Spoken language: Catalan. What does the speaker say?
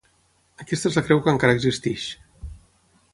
Aquesta és la creu que encara existeix.